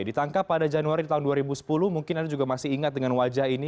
ditangkap pada januari tahun dua ribu sepuluh mungkin anda juga masih ingat dengan wajah ini